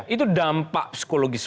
itu dampak psikologis